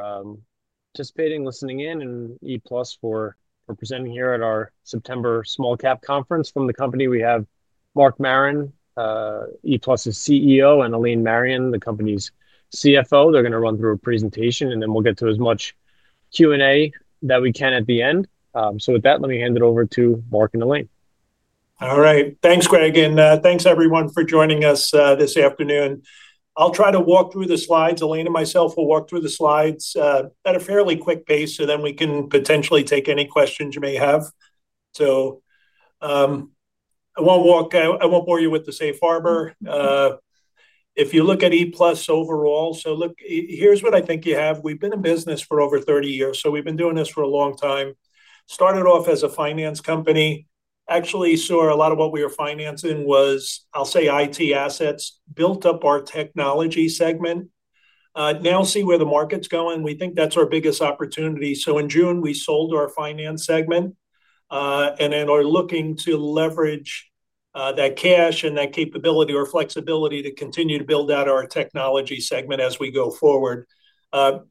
for participating, listening in, and ePlus for presenting here at our September small cap conference. From the company, we have Mark Marron, ePlus' CEO, and Elaine Marion, the company's CFO. They're going to run through a presentation, and then we'll get to as much Q&A as we can at the end. With that, let me hand it over to Mark and Elaine. All right, thanks, Greg, and thanks everyone for joining us this afternoon. I'll try to walk through the slides. Elaine and myself will walk through the slides at a fairly quick pace, so we can potentially take any questions you may have. I won't bore you with the safe harbor. If you look at ePlus overall, here's what I think you have. We've been in business for over 30 years, so we've been doing this for a long time. Started off as a finance company. Actually, a lot of what we were financing was, I'll say, IT assets, built up our technology segment. Now see where the market's going. We think that's our biggest opportunity. In June, we sold our finance segment, and then are looking to leverage that cash and that capability or flexibility to continue to build out our technology segment as we go forward.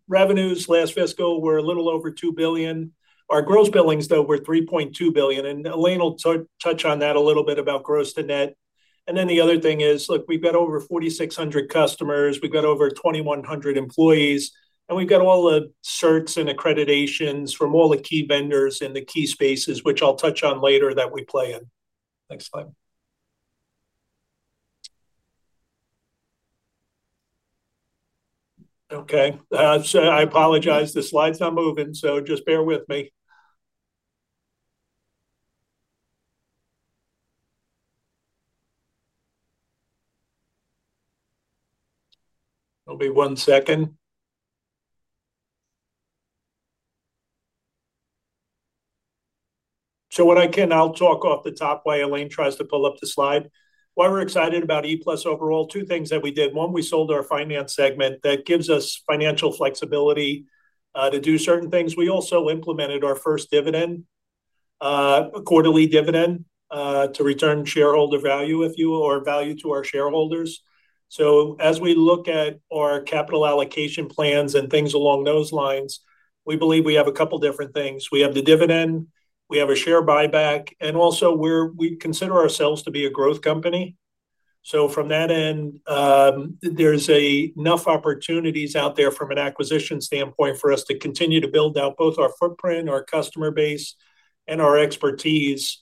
Revenues last fiscal were a little over $2 billion. Our gross billings, though, were $3.2 billion, and Elaine will touch on that a little bit about gross to net. The other thing is, we've got over 4,600 customers. We've got over 2,100 employees, and we've got all the certs and accreditations from all the key vendors in the key spaces, which I'll touch on later that we play in. Next slide. I apologize. The slide's not moving, so just bear with me. It'll be one second. What I can, I'll talk off the top while Elaine tries to pull up the slide. Why we're excited about ePlus overall, two things that we did. One, we sold our finance segment. That gives us financial flexibility to do certain things. We also implemented our first dividend, a quarterly dividend to return value to our shareholders. As we look at our capital allocation plans and things along those lines, we believe we have a couple different things. We have the dividend, we have a share buyback, and also we consider ourselves to be a growth company. From that end, there's enough opportunities out there from an acquisition standpoint for us to continue to build out both our footprint, our customer base, and our expertise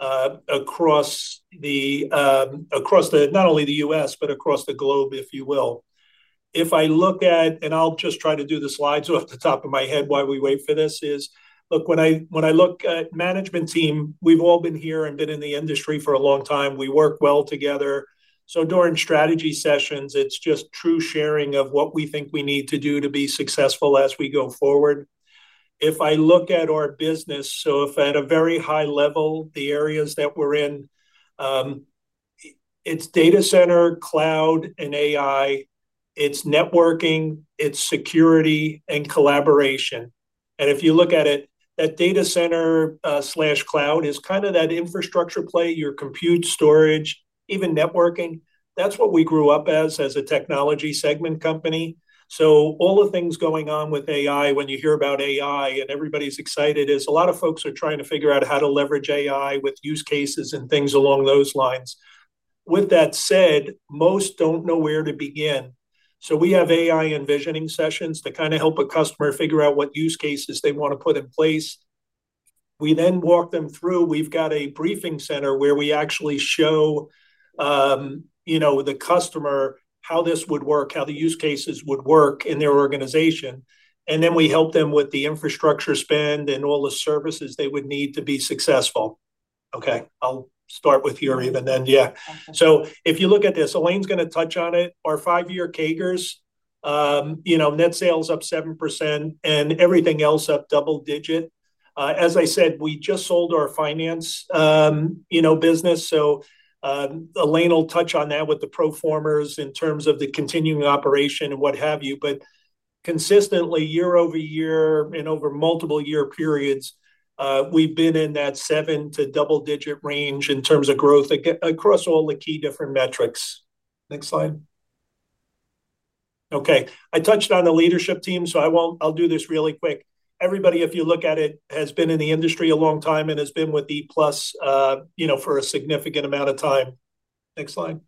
across not only the U.S., but across the globe, if you will. If I look at, and I'll just try to do the slides off the top of my head while we wait for this, when I look at the management team, we've all been here and been in the industry for a long time. We work well together. During strategy sessions, it's just true sharing of what we think we need to do to be successful as we go forward. If I look at our business, at a very high level, the areas that we're in are data center, cloud, and artificial intelligence. It's networking, it's security, and collaboration. If you look at it, that data center/cloud is kind of that infrastructure play, your compute, storage, even networking. That's what we grew up as, as a technology segment company. All the things going on with artificial intelligence, when you hear about artificial intelligence and everybody's excited, a lot of folks are trying to figure out how to leverage artificial intelligence with use cases and things along those lines. With that said, most don't know where to begin. We have artificial intelligence envisioning sessions to help a customer figure out what use cases they want to put in place. We then walk them through. We've got a briefing center where we actually show the customer how this would work, how the use cases would work in their organization. We help them with the infrastructure spend and all the services they would need to be successful. I'll start with you, Erica, and then, yeah. If you look at this, Elaine's going to touch on it. Our five-year CAGRs, net sales up 7% and everything else up double digit. As I said, we just sold our finance business. Elaine will touch on that with the proformas in terms of the continuing operation and what have you. Consistently, year over year and over multiple year periods, we've been in that seven to double digit range in terms of growth across all the key different metrics. Next slide. I touched on the leadership team, so I'll do this really quick. Everybody, if you look at it, has been in the industry a long time and has been with ePlus inc. for a significant amount of time. Next slide.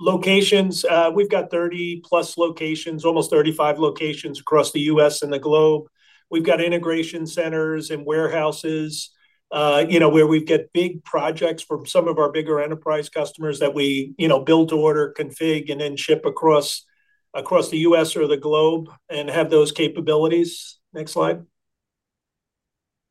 Locations, we've got 30 plus locations, almost 35 locations across the U.S. and the globe. We've got integration centers and warehouses where we get big projects from some of our bigger enterprise customers that we build to order, config, and then ship across the U.S. or the globe and have those capabilities. Next slide.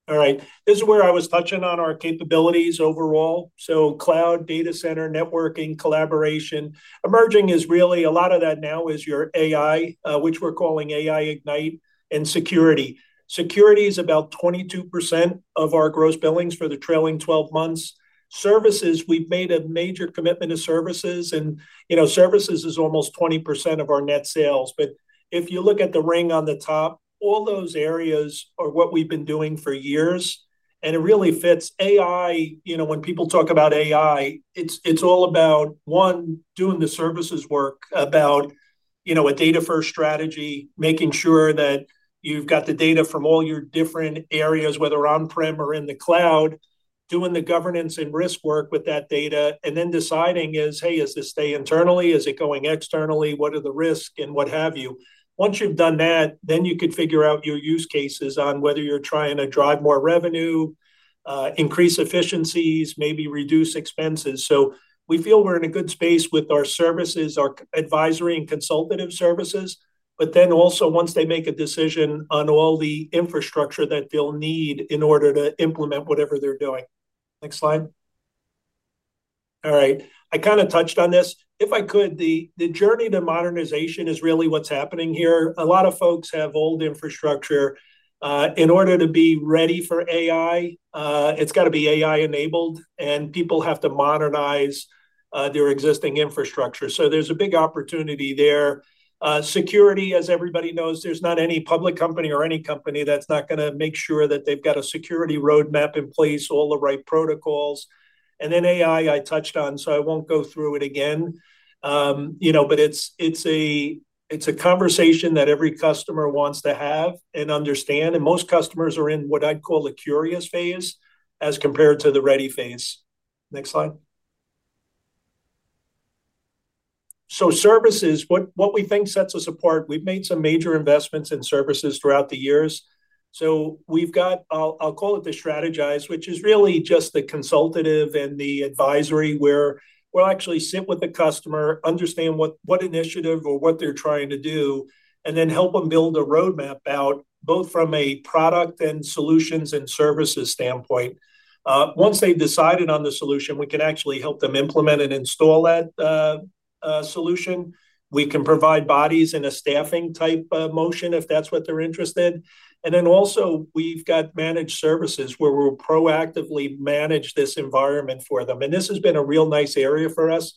This is where I was touching on our capabilities overall. Cloud, data center, networking, collaboration. Emerging is really a lot of that now is your artificial intelligence, which we're calling AI Ignite, and security. Security is about 22% of our gross billings for the trailing 12 months. Services, we've made a major commitment to services, and you know, services is almost 20% of our net sales. If you look at the ring on the top, all those areas are what we've been doing for years, and it really fits artificial intelligence. You know, when people talk about artificial intelligence, it's all about, one, doing the services work, about a data-first strategy, making sure that you've got the data from all your different areas, whether on-prem or in the cloud, doing the governance and risk work with that data, and then deciding, hey, is this staying internally? Is it going externally? What are the risks and what have you? Once you've done that, then you could figure out your use cases on whether you're trying to drive more revenue, increase efficiencies, maybe reduce expenses. We feel we're in a good space with our services, our advisory and consultative services, but then also once they make a decision on all the infrastructure that they'll need in order to implement whatever they're doing. Next slide. All right, I kind of touched on this. If I could, the journey to modernization is really what's happening here. A lot of folks have old infrastructure. In order to be ready for artificial intelligence, it's got to be artificial intelligence-enabled, and people have to modernize their existing infrastructure. There's a big opportunity there. Security, as everybody knows, there's not any public company or any company that's not going to make sure that they've got a security roadmap in place, all the right protocols. Artificial intelligence, I touched on, so I won't go through it again. You know, it's a conversation that every customer wants to have and understand. Most customers are in what I'd call a curious phase as compared to the ready phase. Next slide. Services, what we think sets us apart, we've made some major investments in services throughout the years. We've got, I'll call it the strategize, which is really just the consultative and the advisory where we'll actually sit with the customer, understand what initiative or what they're trying to do, and then help them build the roadmap out both from a product and solutions and services standpoint. Once they've decided on the solution, we can actually help them implement and install that solution. We can provide bodies in a staffing type motion if that's what they're interested in. We've got managed services where we'll proactively manage this environment for them. This has been a real nice area for us.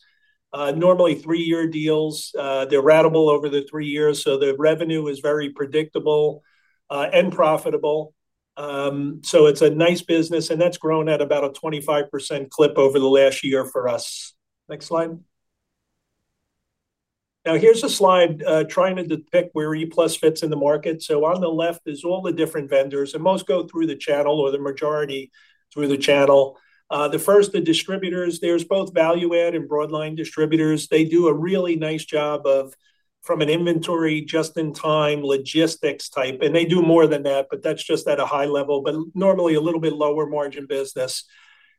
Normally three-year deals, they're ratable over the three years, so the revenue is very predictable and profitable. It's a nice business, and that's grown at about a 25% clip over the last year for us. Next slide. Now here's a slide trying to depict where ePlus inc. fits in the market. On the left is all the different vendors, and most go through the channel or the majority through the channel. The first, the distributors, there's both ValueAd and Broadline distributors. They do a really nice job of, from an inventory, just-in-time logistics type, and they do more than that, but that's just at a high level, but normally a little bit lower margin business.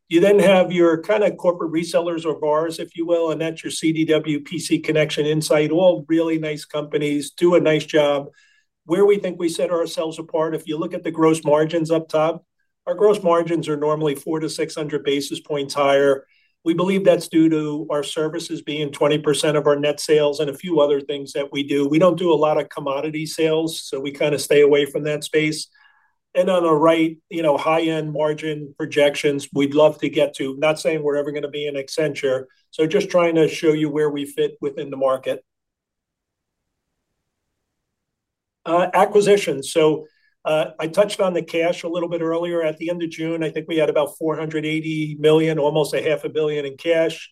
You then have your kind of corporate resellers or VARs, if you will, and that's your CDW, PC Connection, Insight, all really nice companies do a nice job. Where we think we set ourselves apart, if you look at the gross margins up top, our gross margins are normally 400 to 600 basis points higher. We believe that's due to our services being 20% of our net sales and a few other things that we do. We don't do a lot of commodity sales, so we kind of stay away from that space. On the right, you know, high-end margin projections we'd love to get to. Not saying we're ever going to be an Accenture. They're just trying to show you where we fit within the market. Acquisitions. I touched on the cash a little bit earlier. At the end of June, I think we had about $480 million, almost a half a billion in cash.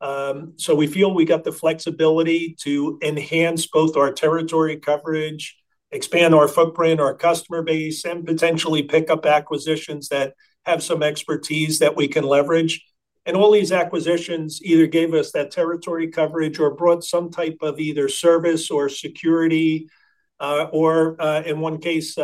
We feel we got the flexibility to enhance both our territory coverage, expand our footprint, our customer base, and potentially pick up acquisitions that have some expertise that we could leverage. All these acquisitions either gave us that territory coverage or brought some type of either service or security, or in one case,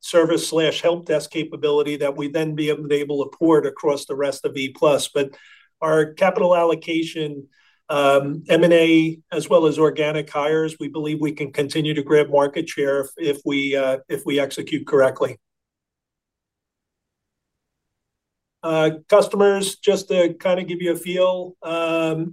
service slash help desk capability that we'd then be able to pour it across the rest of ePlus inc. Our capital allocation, M&A, as well as organic hires, we believe we can continue to grab market share if we execute correctly. Customers, just to kind of give you a feel,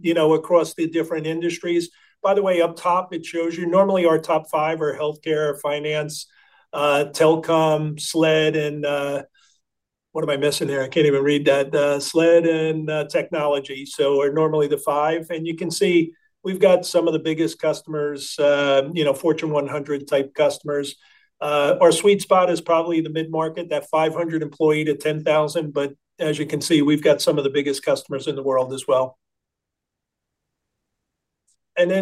you know, across the different industries. By the way, up top, it shows you normally our top five are healthcare, finance, telecom, SLED, and what am I missing there? I can't even read that. SLED and technology. So are normally the five. You can see we've got some of the biggest customers, you know, Fortune 100 type customers. Our sweet spot is probably the mid-market, that 500 employee to 10,000, but as you can see, we've got some of the biggest customers in the world as well.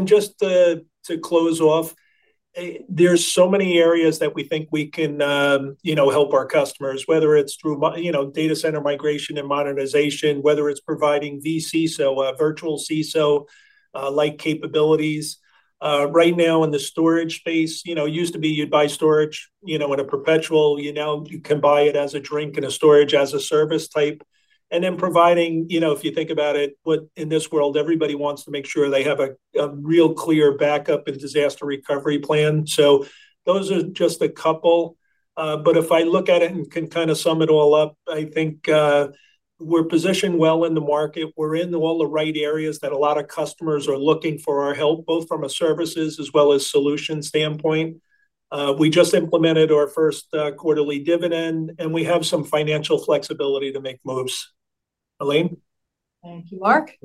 Just to close off, there are so many areas that we think we can help our customers, whether it's through data center migration and modernization, whether it's providing VC, so virtual CISO-like capabilities. Right now in the storage space, it used to be you'd buy storage in a perpetual. Now you can buy it as a drink and a storage as a service type. If you think about it, in this world, everybody wants to make sure they have a real clear backup and disaster recovery plan. Those are just a couple. If I look at it and can kind of sum it all up, I think we're positioned well in the market. We're in all the right areas that a lot of customers are looking for our help, both from a services as well as solution standpoint. We just implemented our first quarterly dividend, and we have some financial flexibility to make moves. Elaine? Thank you, Mark.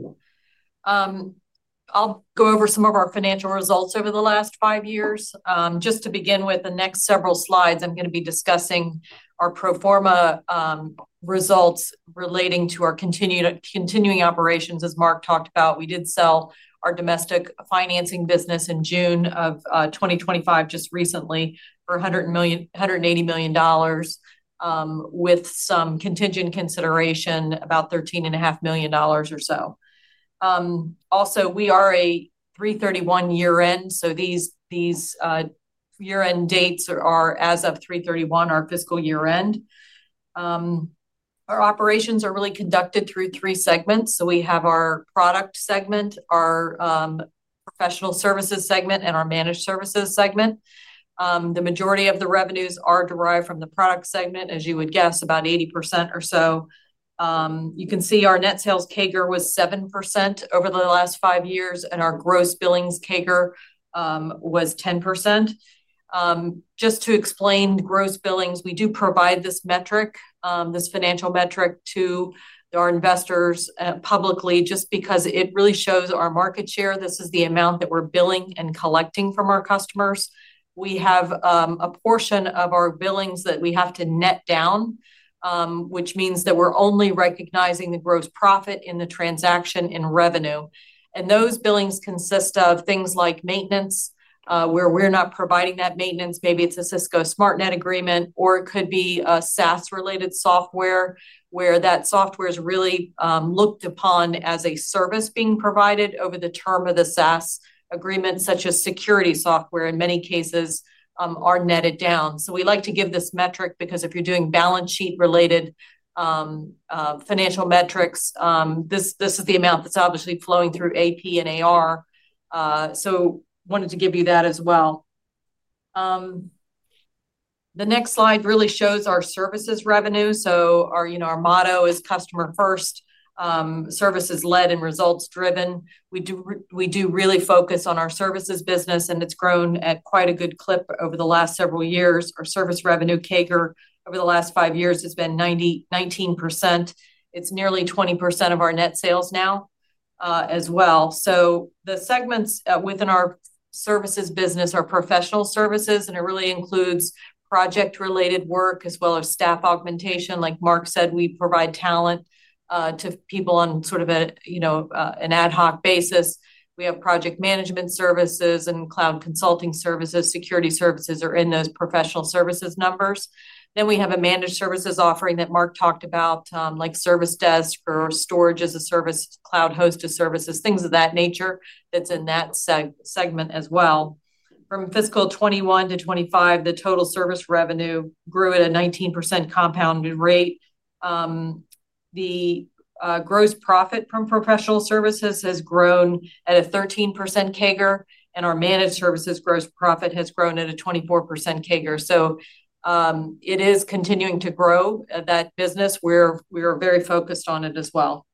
I'll go over some of our financial results over the last five years. Just to begin with, the next several slides, I'm going to be discussing our proforma results relating to our continuing operations. As Mark talked about, we did sell our domestic financing business in June of 2025, just recently, for $180 million, with some contingent consideration, about $13.5 million or so. Also, we are a 3/31 year-end, so these year-end dates are, as of 3/31, our fiscal year-end. Our operations are really conducted through three segments. We have our product segment, our professional services segment, and our managed services segment. The majority of the revenues are derived from the product segment, as you would guess, about 80% or so. You can see our net sales CAGR was 7% over the last five years, and our gross billings CAGR was 10%. Just to explain gross billings, we do provide this metric, this financial metric to our investors publicly, just because it really shows our market share. This is the amount that we're billing and collecting from our customers. We have a portion of our billings that we have to net down, which means that we're only recognizing the gross profit in the transaction in revenue. Those billings consist of things like maintenance, where we're not providing that maintenance. Maybe it's a Cisco SmartNet agreement, or it could be a SaaS-related software, where that software is really looked upon as a service being provided over the term of the SaaS agreement, such as security software. In many cases, are netted down. We like to give this metric because if you're doing balance sheet-related financial metrics, this is the amount that's obviously flowing through AP and AR. I wanted to give you that as well. The next slide really shows our services revenue. Our motto is customer first, service is led, and results driven. We do really focus on our services business, and it's grown at quite a good clip over the last several years. Our service revenue CAGR over the last five years has been 19%. It's nearly 20% of our net sales now as well. The segments within our services business are professional services, and it really includes project-related work as well as staff augmentation. Like Mark said, we provide talent to people on sort of an ad hoc basis. We have project management services and cloud consulting services. Security services are in those professional services numbers. We have a managed services offering that Mark talked about, like service desk or storage as a service, cloud hosted services, things of that nature that's in that segment as well. From fiscal 2021 to 2025, the total service revenue grew at a 19% compounded rate. The gross profit from professional services has grown at a 13% CAGR, and our managed services gross profit has grown at a 24% CAGR. It is continuing to grow, that business. We're very focused on it as well.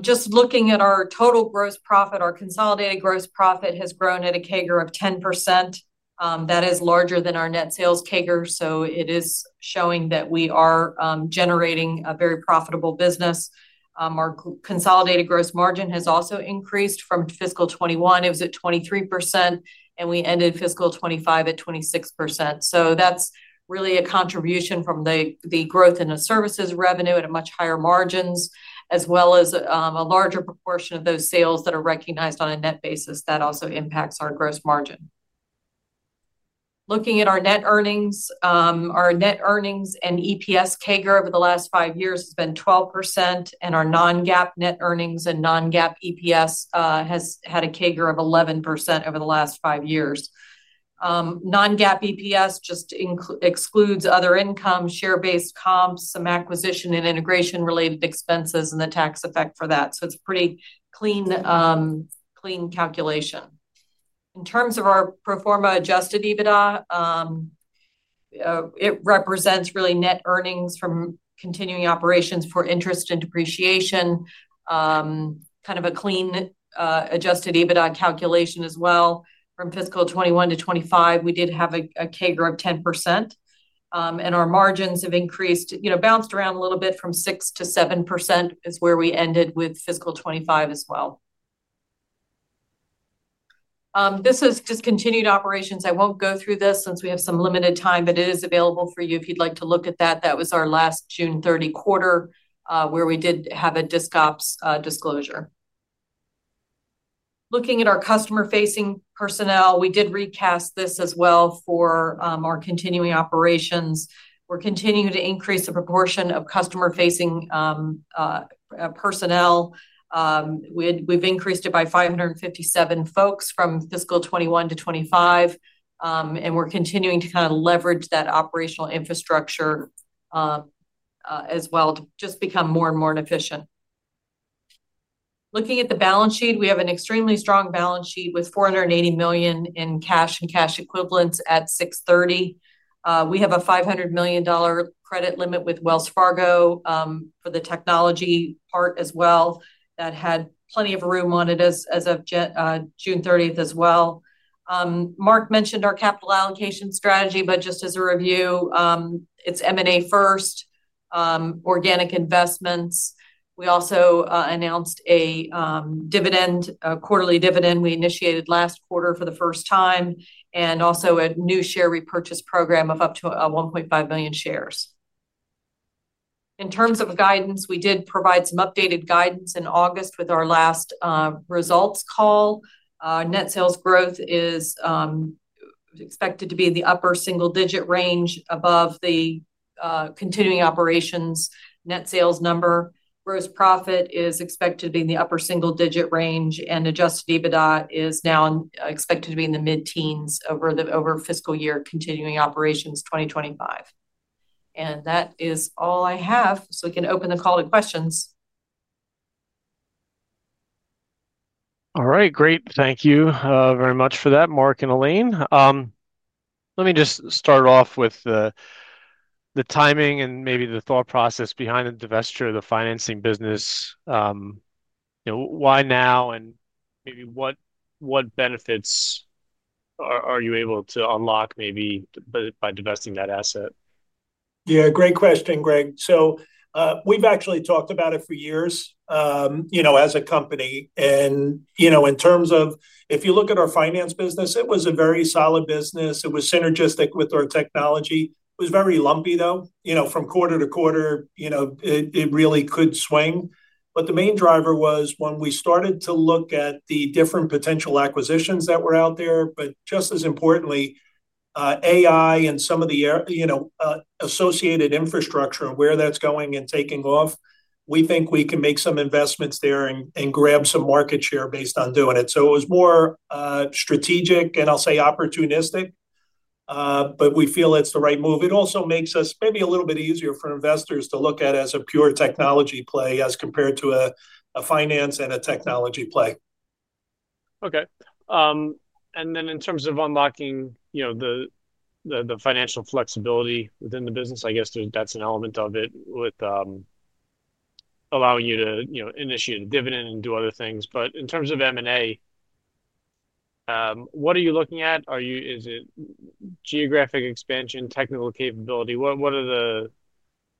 Just looking at our total gross profit, our consolidated gross profit has grown at a CAGR of 10%. That is larger than our net sales CAGR, so it is showing that we are generating a very profitable business. Our consolidated gross margin has also increased. From fiscal 2021, it was at 23%, and we ended fiscal 2025 at 26%. That's really a contribution from the growth in the services revenue at a much higher margin, as well as a larger proportion of those sales that are recognized on a net basis that also impacts our gross margin. Looking at our net earnings, our net earnings and EPS CAGR over the last five years has been 12%, and our non-GAAP net earnings and non-GAAP EPS has had a CAGR of 11% over the last five years. Non-GAAP EPS just excludes other income, share-based comps, some acquisition and integration-related expenses, and the tax effect for that. It's a pretty clean calculation. In terms of our proforma-adjusted EBITDA, it represents really net earnings from continuing operations for interest and depreciation, kind of a clean adjusted EBITDA calculation as well. From fiscal 2021 to 2025, we did have a CAGR of 10%, and our margins have increased, bounced around a little bit from 6% to 7% is where we ended with fiscal 2025 as well. This is just continued operations. I won't go through this since we have some limited time, but it is available for you if you'd like to look at that. That was our last June 30 quarter where we did have a discounts disclosure. Looking at our customer-facing personnel, we did recast this as well for our continuing operations. We're continuing to increase the proportion of customer-facing personnel. We've increased it by 557 folks from fiscal 2021 to 2025, and we're continuing to kind of leverage that operational infrastructure as well to just become more and more efficient. Looking at the balance sheet, we have an extremely strong balance sheet with $480 million in cash and cash equivalents at 6/30. We have a $500 million credit limit with Wells Fargo for the technology part as well that had plenty of room on it as of June 30 as well. Mark mentioned our capital allocation strategy, but just as a review, it's M&A first, organic investments. We also announced a dividend, a quarterly dividend we initiated last quarter for the first time, and also a new share repurchase program of up to 1.5 million shares. In terms of guidance, we did provide some updated guidance in August with our last results call. Net sales growth is expected to be in the upper single-digit range above the continuing operations net sales number. Gross profit is expected to be in the upper single-digit range, and adjusted EBITDA is now expected to be in the mid-teens over the fiscal year continuing operations 2025. That is all I have, so we can open the call to questions. All right, great. Thank you very much for that, Mark and Elaine. Let me just start off with the timing and maybe the thought process behind the divestiture of the financing business. Why now, and maybe what benefits are you able to unlock by divesting that asset? Yeah, great question, Greg. We've actually talked about it for years as a company. In terms of if you look at our finance business, it was a very solid business. It was synergistic with our technology. It was very lumpy, though, from quarter to quarter, it really could swing. The main driver was when we started to look at the different potential acquisitions that were out there. Just as importantly, artificial intelligence and some of the associated infrastructure where that's going and taking off, we think we can make some investments there and grab some market share based on doing it. It was more strategic, and I'll say opportunistic, but we feel it's the right move. It also makes us maybe a little bit easier for investors to look at as a pure technology play as compared to a finance and a technology play. Okay. In terms of unlocking the financial flexibility within the business, I guess that's an element of it with allowing you to initiate a dividend and do other things. In terms of M&A, what are you looking at? Is it geographic expansion, technical capability? What are the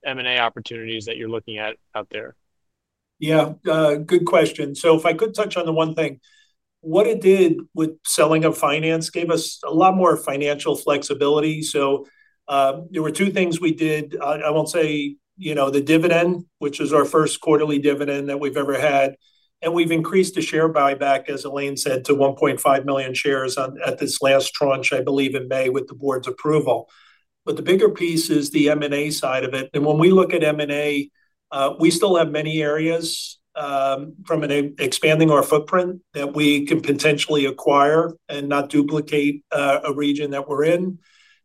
M&A opportunities that you're looking at out there? Yeah, good question. If I could touch on the one thing, what it did with selling of finance gave us a lot more financial flexibility. There were two things we did. I won't say, you know, the dividend, which is our first quarterly dividend that we've ever had, and we've increased the share buyback, as Elaine Marion said, to 1.5 million shares at this last tranche, I believe, in May with the board's approval. The bigger piece is the M&A side of it. When we look at M&A, we still have many areas from expanding our footprint that we can potentially acquire and not duplicate a region that we're in.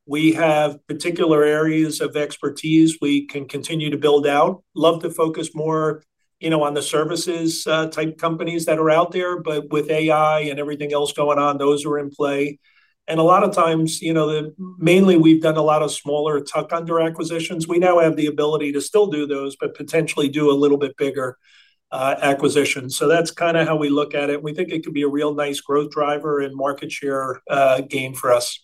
We have particular areas of expertise we can continue to build out. Love to focus more, you know, on the services type companies that are out there, but with artificial intelligence and everything else going on, those are in play. A lot of times, you know, mainly we've done a lot of smaller tech under acquisitions. We now have the ability to still do those, but potentially do a little bit bigger acquisitions. That's kind of how we look at it. We think it could be a real nice growth driver and market share gain for us.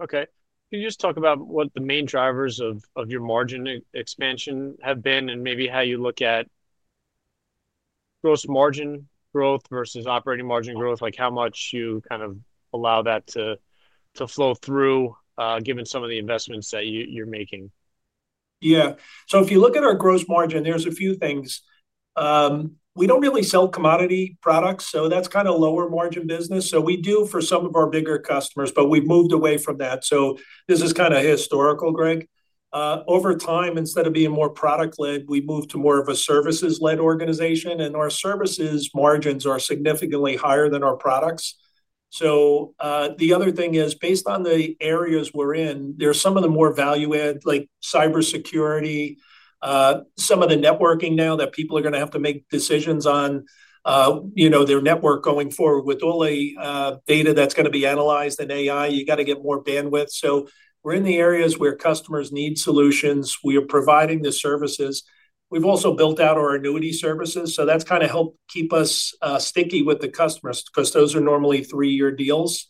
Okay. Can you just talk about what the main drivers of your margin expansion have been, and maybe how you look at gross margin growth versus operating margin growth, like how much you kind of allow that to flow through given some of the investments that you're making? Yeah. If you look at our gross margin, there's a few things. We don't really sell commodity products, so that's kind of lower margin business. We do for some of our bigger customers, but we've moved away from that. This is kind of historical, Greg. Over time, instead of being more product-led, we moved to more of a services-led organization, and our services margins are significantly higher than our products. The other thing is, based on the areas we're in, there's some of the more value-add, like security, some of the networking now that people are going to have to make decisions on, you know, their network going forward with all the data that's going to be analyzed in artificial intelligence. You got to get more bandwidth. We're in the areas where customers need solutions. We are providing the services. We've also built out our annuity services. That's kind of helped keep us sticky with the customers because those are normally three-year deals.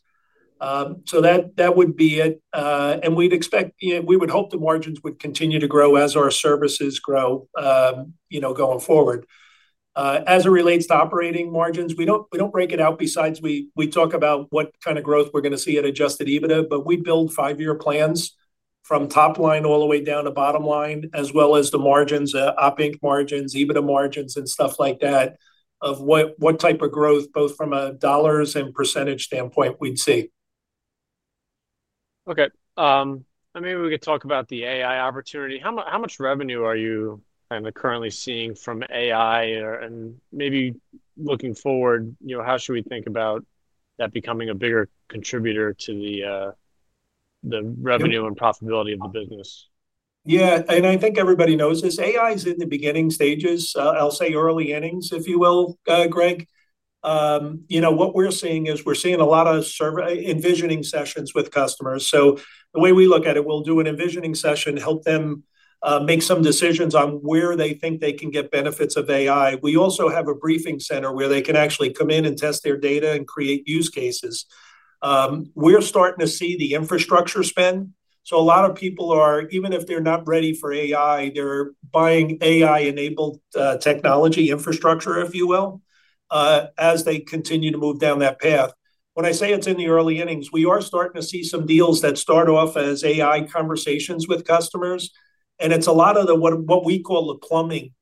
That would be it. We'd expect, we would hope the margins would continue to grow as our services grow, you know, going forward. As it relates to operating margins, we don't break it out besides we talk about what kind of growth we're going to see at adjusted EBITDA, but we build five-year plans from top line all the way down to bottom line, as well as the margins, operating margins, EBITDA margins, and stuff like that, of what type of growth, both from a dollars and % standpoint, we'd see. Okay. Maybe we could talk about the artificial intelligence opportunity. How much revenue are you kind of currently seeing from artificial intelligence? Maybe looking forward, how should we think about that becoming a bigger contributor to the revenue and profitability of the business? Yeah, and I think everybody knows this. AI is in the beginning stages, I'll say early innings, if you will, Greg. You know, what we're seeing is we're seeing a lot of envisioning sessions with customers. The way we look at it, we'll do an envisioning session, help them make some decisions on where they think they can get benefits of AI. We also have a briefing center where they can actually come in and test their data and create use cases. We're starting to see the infrastructure spend. A lot of people are, even if they're not ready for AI, they're buying AI-enabled technology infrastructure, if you will, as they continue to move down that path. When I say it's in the early innings, we are starting to see some deals that start off as AI conversations with customers. It's a lot of what we call the plumbing,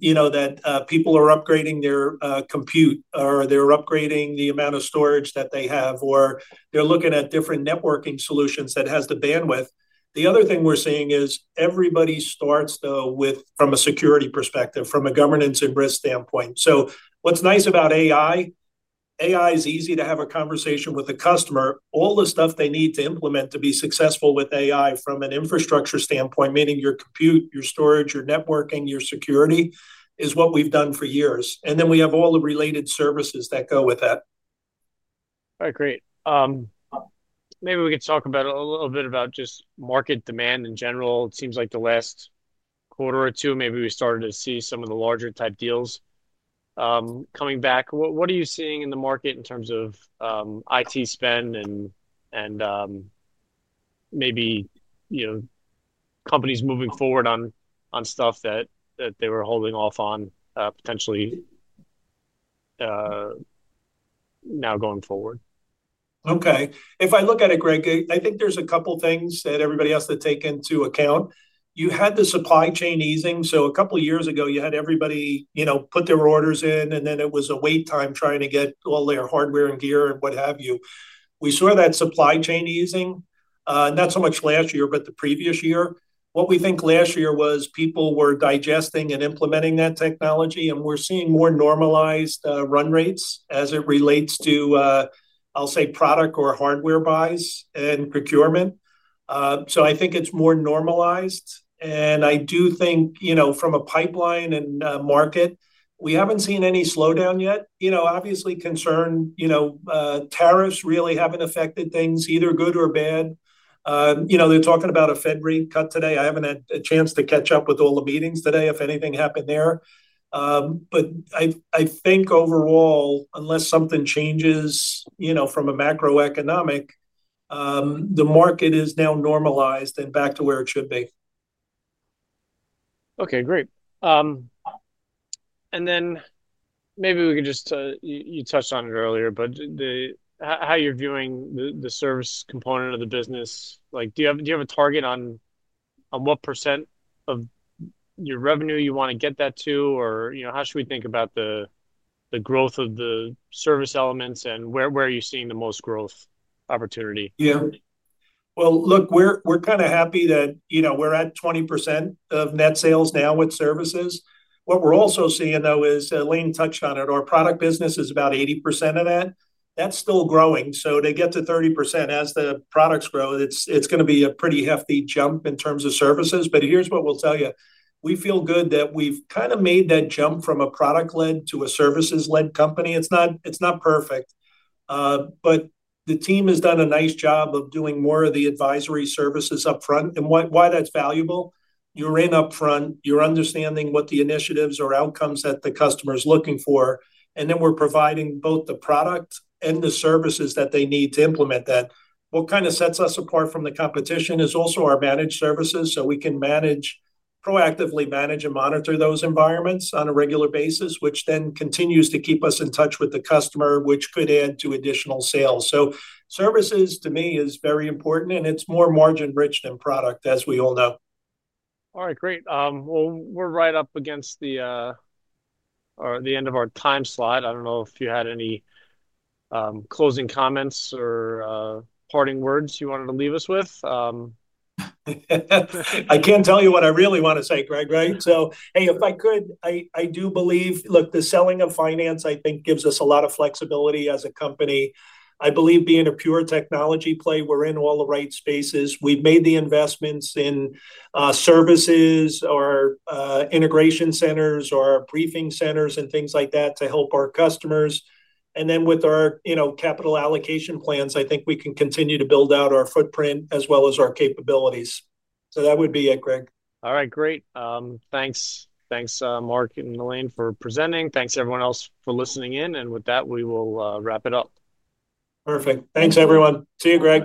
you know, that people are upgrading their compute or they're upgrading the amount of storage that they have or they're looking at different networking solutions that have the bandwidth. The other thing we're seeing is everybody starts, though, from a security perspective, from a governance and risk standpoint. What's nice about AI, AI is easy to have a conversation with a customer. All the stuff they need to implement to be successful with AI from an infrastructure standpoint, meaning your compute, your storage, your networking, your security, is what we've done for years. We have all the related services that go with that. All right, great. Maybe we could talk a little bit about just market demand in general. It seems like the last quarter or two, maybe we started to see some of the larger type deals coming back. What are you seeing in the market in terms of IT spend and maybe, you know, companies moving forward on stuff that they were holding off on potentially now going forward? Okay. If I look at it, Greg, I think there's a couple of things that everybody has to take into account. You had the supply chain easing. A couple of years ago, you had everybody, you know, put their orders in, and then it was a wait time trying to get all their hardware and gear and what have you. We saw that supply chain easing, and not so much last year, but the previous year. What we think last year was people were digesting and implementing that technology, and we're seeing more normalized run rates as it relates to, I'll say, product or hardware buys and procurement. I think it's more normalized. I do think, you know, from a pipeline and market, we haven't seen any slowdown yet. Obviously concerned, you know, tariffs really haven't affected things, either good or bad. They're talking about a Fed rate cut today. I haven't had a chance to catch up with all the meetings today if anything happened there. I think overall, unless something changes, you know, from a macroeconomic, the market is now normalized and back to where it should be. Okay, great. You touched on it earlier, but how you're viewing the service component of the business. Do you have a target on what % of your revenue you want to get that to, or how should we think about the growth of the service elements and where are you seeing the most growth opportunity? Yeah. Look, we're kind of happy that, you know, we're at 20% of net sales now with services. What we're also seeing, though, is Elaine touched on it, our product business is about 80% of that. That's still growing. To get to 30% as the products grow, it's going to be a pretty hefty jump in terms of services. Here's what we'll tell you. We feel good that we've kind of made that jump from a product-led to a services-led company. It's not perfect. The team has done a nice job of doing more of the advisory services upfront. Why that's valuable, you're in upfront, you're understanding what the initiatives or outcomes that the customer is looking for, and then we're providing both the product and the services that they need to implement that. What kind of sets us apart from the competition is also our managed services. We can manage, proactively manage, and monitor those environments on a regular basis, which then continues to keep us in touch with the customer, which could add to additional sales. Services, to me, is very important, and it's more margin-rich than product, as we all know. All right, great. We're right up against the end of our time slot. I don't know if you had any closing comments or parting words you wanted to leave us with. I can't tell you what I really want to say, Greg, right? If I could, I do believe, look, the selling of finance, I think, gives us a lot of flexibility as a company. I believe being a pure technology play, we're in all the right spaces. We've made the investments in services or integration centers or briefing centers and things like that to help our customers. With our capital allocation plans, I think we can continue to build out our footprint as well as our capabilities. That would be it, Greg. All right, great. Thanks, thanks Mark Marron and Elaine Marion for presenting. Thanks everyone else for listening in. With that, we will wrap it up. Perfect. Thanks, everyone. See you, Greg.